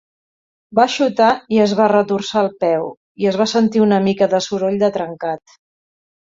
Va xutar i es va retorçar el peu, i es va sentir una mica de soroll de trencat.